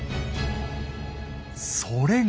それが。